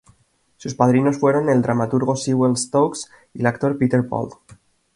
Sus padrinos fueron el dramaturgo Sewell Stokes y el actor Peter Bull.